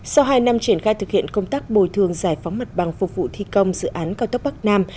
sau hai năm triển khai thực hiện công tác bồi thường giải phóng mặt bằng phục vụ thi công dự án cao tốc bắc nam